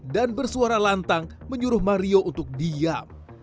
dan bersuara lantang menyuruh mario untuk diam